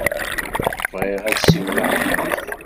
Bɣiɣ ad ssiwleɣ yid-k.